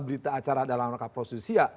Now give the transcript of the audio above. berita acara dalam raka prosesia